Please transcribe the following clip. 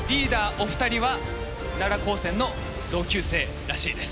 お二人は奈良高専の同級生らしいです。